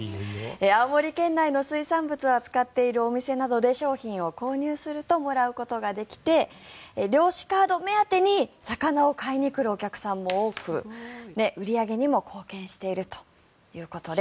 青森県内の水産物を扱っているお店などで商品を購入するともらうことができて漁師カード目当てに魚を買いにくるお客さんも多く売り上げにも貢献しているということです。